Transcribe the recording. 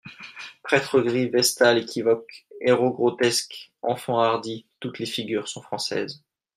Prêtres gris, vestales équivoques, héros grotesques, enfants hardis, toutes les figures sont françaises.